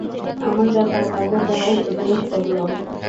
আমার ব্যাপার তাদের দয়ার উদ্রেক করল।